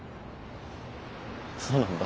そうなんだ。